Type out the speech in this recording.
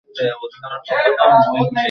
এই আসনটি তফসিলি জাতি প্রার্থীদের জন্য সংরক্ষিত।